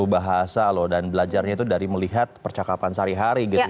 satu bahasa loh dan belajarnya itu dari melihat percakapan sehari hari gitu ya